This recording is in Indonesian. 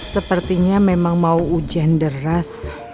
sepertinya memang mau hujan deras